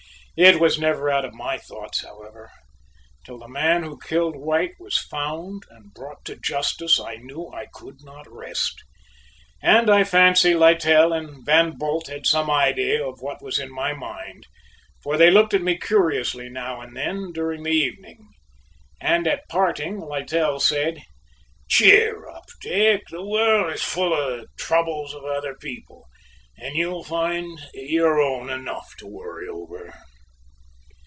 It was never out of my thoughts, however; till the man who killed White was found and brought to justice I knew I could not rest, and I fancy Littell and Van Bult had some idea of what was in my mind, for they looked at me curiously now and then during the evening, and at parting Littell said: "Cheer up, Dick, the world is full of the troubles of other people, and you will find your own enough to worry over."